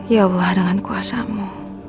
ya allah dengan kuasamu